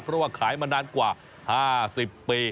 เพราะว่าขายมานานกว่า๕๐ปี